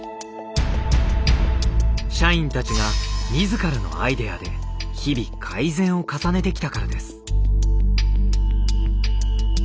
社員たちが自らのアイデアで日々改善を重ねてきたからです。